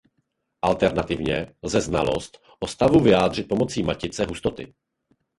Alternativně lze znalost o stavu vyjádřit pomocí matice hustoty.